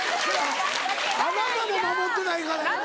あなたも守ってないからやな。